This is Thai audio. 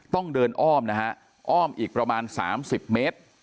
ต้องเดินอ้อมนะฮะอ้อมอีกประมาณ๓๐เมตร